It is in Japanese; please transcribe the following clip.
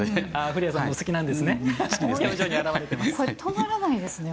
降矢さんもお好きなんですね。